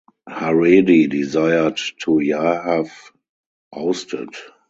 Haredi desired to Yahav ousted.